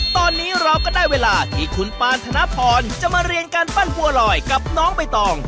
ตอนนี้เราก็ได้เวลาที่คุณปานธนพรจะมาเรียนการปั้นบัวลอยกับน้องใบตอง